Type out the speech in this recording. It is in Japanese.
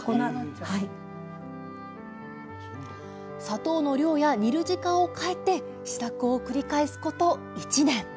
砂糖の量や煮る時間を変えて試作を繰り返すこと１年。